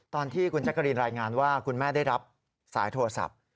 ตอนที่คุณแจ๊กกะรีนรายงานว่าคุณแม่ได้รับสายโทรศัพท์